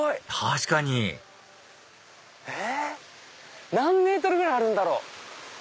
確かにえ何ｍぐらいあるんだろう？